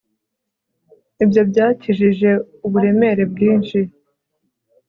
Ibyo byakijije uburemere bwinshi